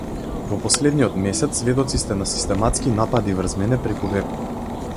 Во последниот месец сведоци сте на систематски напади врз мене преку веб.